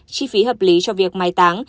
chi phí hợp lý cho việc mái táng